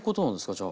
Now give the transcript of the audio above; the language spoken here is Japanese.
じゃあ。